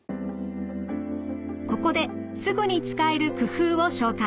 ここですぐに使える工夫を紹介。